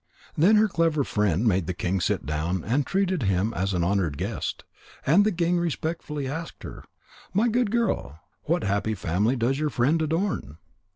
Then her clever friend made the king sit down and treated him as an honoured guest. And the king respectfully asked her: "My good girl, what happy family does your friend adorn?